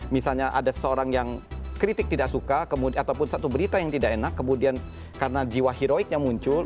misalnya ada seseorang yang kritik tidak suka ataupun satu berita yang tidak enak kemudian karena jiwa heroiknya muncul